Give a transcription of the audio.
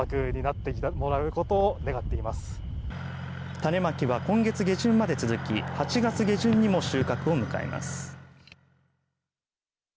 種まきは、今月下旬まで続き８月下旬にも収穫を迎えます。